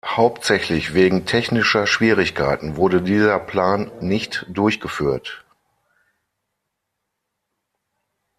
Hauptsächlich wegen technischer Schwierigkeiten wurde dieser Plan nicht durchgeführt.